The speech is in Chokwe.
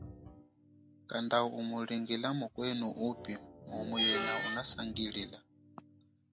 Kanda umulingila mukwenu upi mumu yena unasangilile.